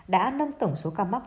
đã nâng tổng số ca mắc